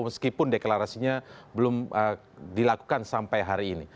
meskipun deklarasinya belum dilakukan sampai hari ini